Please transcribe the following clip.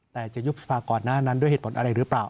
แต่จะยุบสภาก่อนหน้านั้นด้วยเหตุผลอะไรหรือเปล่า